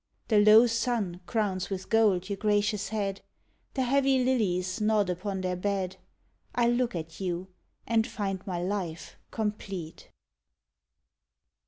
The low sun crowns with gold your gracious head, The heavy lilies nod upon their bed I look at you, and find my life complete.